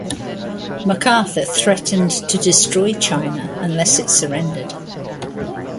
MacArthur threatened to destroy China unless it surrendered.